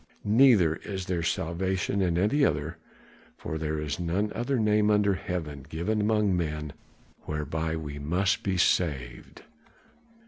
Neither is there salvation in any other, for there is none other name under heaven given among men whereby we must be saved."